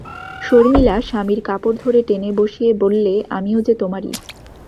শর্মিলা স্বামীর কাপড় ধরে টেনে বসিয়ে বললে, আমিও যে তোমারই।